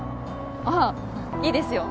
あぁいいですよ。